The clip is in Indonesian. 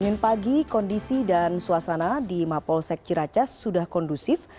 senin pagi kondisi dan suasana di mapolsek ciracas sudah kondusif